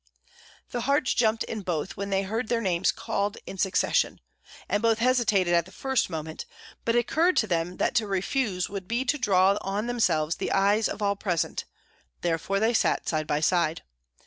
The hearts jumped in both when they heard their names called in succession, and both hesitated at the first moment; but it occurred to them that to refuse would be to draw on themselves the eyes of all present, therefore they sat side by side.